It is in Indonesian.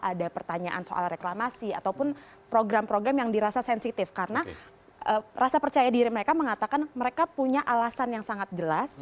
ada pertanyaan soal reklamasi ataupun program program yang dirasa sensitif karena rasa percaya diri mereka mengatakan mereka punya alasan yang sangat jelas